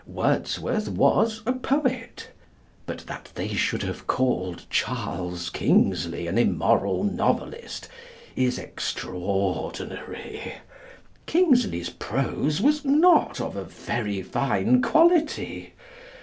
Wordsworth was a poet. But that they should have called Charles Kingsley an immoral novelist is extraordinary. Kingsley's prose was not of a very fine quality.